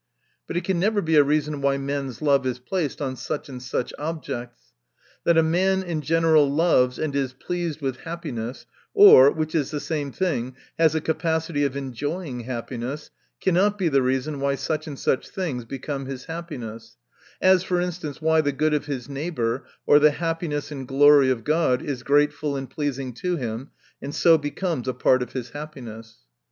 But it can never be a reason why men's love is placed on such ard such objects. That a man, in general, loves and is pleased with happiness, or (which is the same thing) has a capacity of enjoying happiness, cannot be th& reason why such and such things become his happiness : as for instance, why the good of his neighbor, or the happiness and glory of God, is grateful and pleasing to him, and so becomes a part of his happiness.